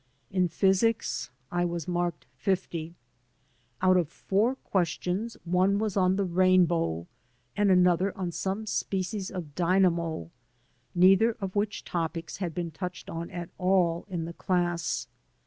In physics I was marked fifty. Out of four questions one was on the rainbow and another on some species of dynamo, neither of which topics had been touched on at all in the class.